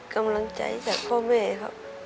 กำลังใจจากพ่อแม่ครับ